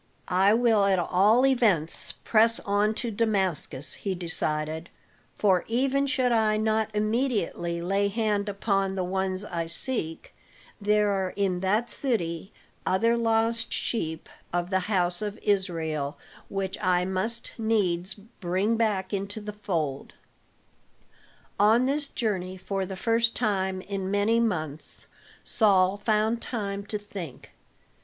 "I will at all events press on to Damascus," he decided, "for even should I not immediately lay hand upon the ones I seek, there are in that city other lost sheep of the house of Israel which I must needs bring back into the fold." On this journey for the first time in many months Saul found time to think.